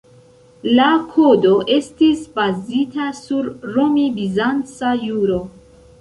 La Kodo estis bazita sur romi-bizanca juro.